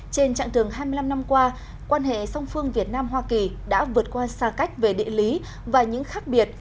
trên trạng thường hai mươi năm năm qua quan hệ song phương việt nam hoa kỳ đã vượt qua xa cách về địa lý và những khác biệt